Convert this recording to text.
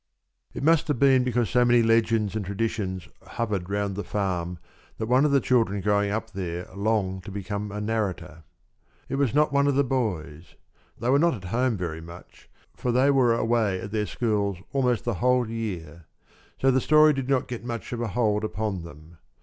It must have been because so many legends and traditions hovered around the farm that one of the children growing up there longed to become a narrator. It was not one of the boys. They were not at home very much, for they were away at their schools almost the whole year; so the story did not get much of a hold upon them.